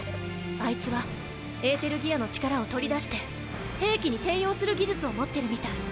あいつはエーテルギアの力を取り出して兵器に転用する技術を持ってるみたい。